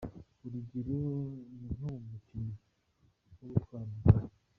Urugero ni nko mu mukino wo gutwara amagare.